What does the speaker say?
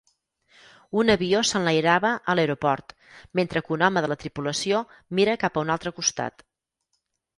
Un avió s'enlairava a l'aeroport, mentre que un home de la tripulació mira cap a un altre costat.